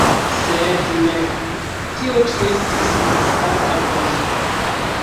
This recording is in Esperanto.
Sed ne, tio ĉi estis malsaĝa penso.